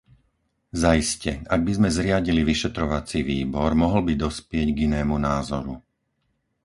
Zaiste, ak by sme zriadili vyšetrovací výbor, mohol by dospieť k inému názoru.